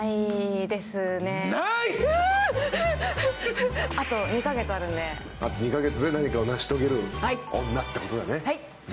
うあと２か月で何かを成し遂げる女ってことだね